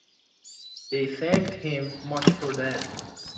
They thanked him much for that.